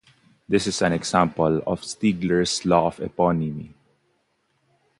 This is an example of Stigler's law of eponymy.